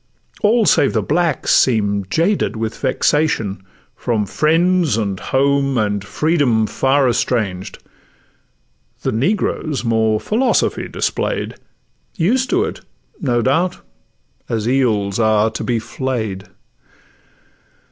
All save the blacks seem'd jaded with vexation, From friends, and home, and freedom far estranged; The negroes more philosophy display'd,— Used to it, no doubt, as eels are to be flay'd.